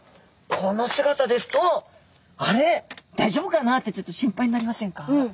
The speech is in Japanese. この姿ですと「あれだいじょうぶかな？」ってちょっと心配になりませんか？